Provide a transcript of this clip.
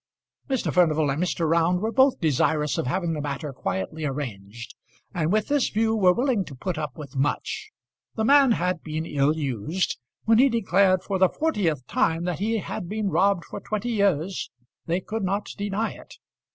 Mr. Furnival and Mr. Round were both desirous of having the matter quietly arranged, and with this view were willing to put up with much. The man had been ill used. When he declared for the fortieth time that he had been robbed for twenty years, they could not deny it.